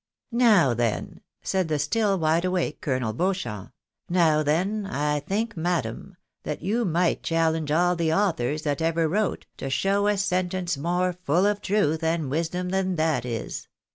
" Now then," said the still wide awake Colonel Beauchamp, "now then, I think, madam, that you might challenge all the authors that ever wrote, to show a sentence more full of truth and wisdom than that is.